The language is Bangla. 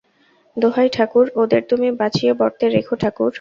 দোহাই ঠাকুর, ওদের তুমি বাঁচিয়ে-বর্তে রেখো, ঠাকুর।